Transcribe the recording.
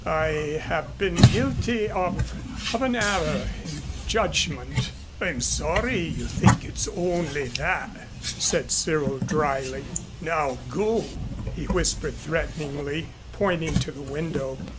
"I have been guilty of of an error in judgment " "I'm sorry you think it's only that," said Cyril dryly. "Now go," he whispered threateningly, pointing to the window.